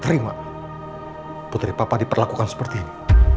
terima putri papa diperlakukan seperti ini